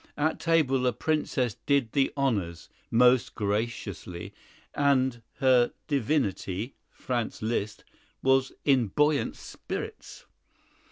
At table the Princess did the honors "most graciously," and her "divinity," Franz Liszt, was in "buoyant spirits."